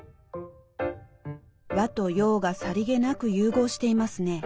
和と洋がさりげなく融合していますね。